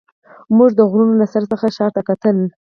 موږ د غرونو له سر څخه ښار ته کتل.